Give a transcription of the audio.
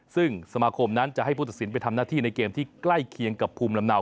ซึ่งสมาคมนั้นจะให้ผู้ตัดสินไปทำหน้าที่ในเกมที่ใกล้เคียงกับภูมิลำเนา